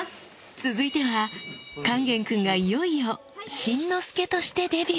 続いては勸玄君がいよいよ新之助としてデビュー